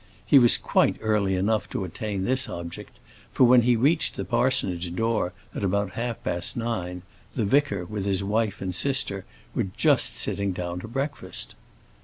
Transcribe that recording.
He was quite early enough to attain this object, for when he reached the parsonage door at about half past nine, the vicar, with his wife and sister, were just sitting down to breakfast.